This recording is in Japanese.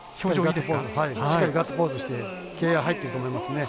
しっかりガッツポーズして気合いが入っていると思いますね。